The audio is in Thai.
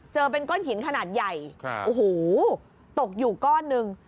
เจอเป็นก้อนหินขนาดใหญ่โอ้โหตกอยู่ก้อนหนึ่ง